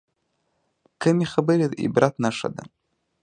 کمې خبرې، د عبرت نښه ده.